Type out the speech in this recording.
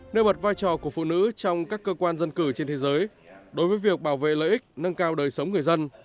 nêu bật vai trò của phụ nữ trong các cơ quan dân cử trên thế giới đối với việc bảo vệ lợi ích nâng cao đời sống người dân